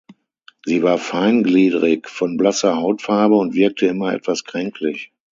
Sie war feingliedrig, von blasser Hautfarbe und wirkte immer etwas kränklich.